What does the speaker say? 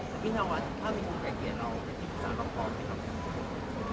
พี่นวัดถ้ามีคุณไกลเกียร์น้องเป็นที่ปรึกษาน้องพร้อมไหมครับ